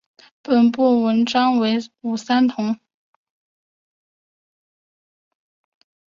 本部纹章为五三桐。